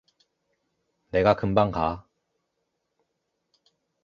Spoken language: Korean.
내가 금방 가.